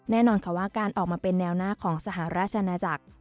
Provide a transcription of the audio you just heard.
แน่นอนค่ะว่าการออกมาเป็นแนวหน้าของสหราชนาจักร